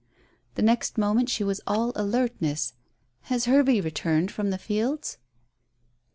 The next moment she was all alertness. "Has Hervey returned from the fields?"